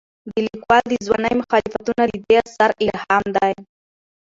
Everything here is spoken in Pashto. د لیکوال د ځوانۍ مخالفتونه د دې اثر الهام دي.